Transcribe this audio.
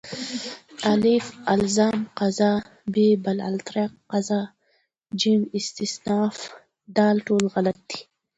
الف: الزام قضا ب: باالترک قضا ج: استیناف د: ټول غلط دي